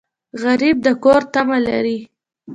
غریب د کور تمه لري